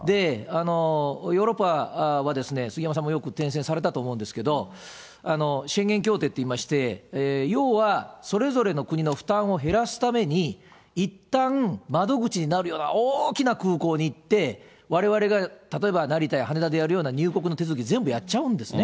ヨーロッパは杉山さんもよく転戦されたと思うんですけれども、協定といいまして、要はそれぞれの国の負担を減らすためにいったん窓口になるような大きな空港に行って、われわれが例えば成田や羽田でやるような入国の手続きを全部やっちゃうんですね。